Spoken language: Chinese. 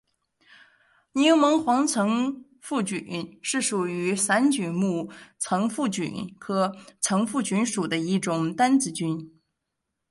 柠檬黄层腹菌是属于伞菌目层腹菌科层腹菌属的一种担子菌。